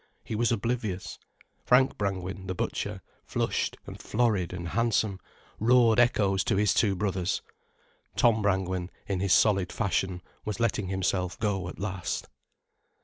He was oblivious. Frank Brangwen, the butcher, flushed and florid and handsome, roared echoes to his two brothers. Tom Brangwen, in his solid fashion, was letting himself go at last.